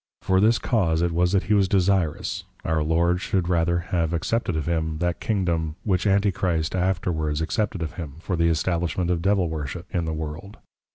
_ For this cause it was that he was desirous, Our Lord should rather have accepted of him, that Kingdom, which Antichrist afterwards accepted of him, for the Establishment of Devil worship, in the World.